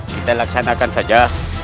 kita laksanakan saja